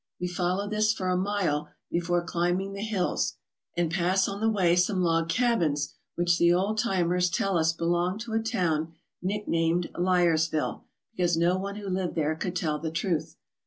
We follow this for a mile before climbing the hills, and pass on the way some log cabins which the old timers tell us belonged to a town nicknamed Liarsville, because no one who lived there could tell the truth.